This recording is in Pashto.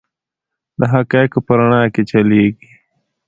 د حقایقو په رڼا کې چلیږي.